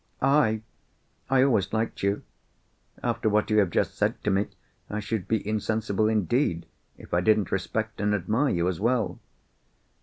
"I! I always liked you. After what you have just said to me, I should be insensible indeed if I didn't respect and admire you as well."